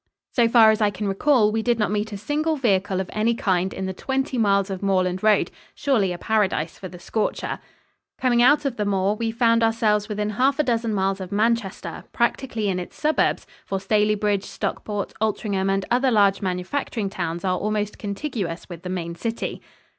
So far as I can recall, we did not meet a single vehicle of any kind in the twenty miles of moorland road surely a paradise for the scorcher. Coming out of the moor, we found ourselves within half a dozen miles of Manchester practically in its suburbs, for Stalybridge, Stockport, Altrincham and other large manufacturing towns are almost contiguous with the main city.